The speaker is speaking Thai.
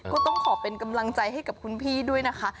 ก็ต้องขอเป็นกำลังใจให้กับคุณพี่ด้วยนะคะ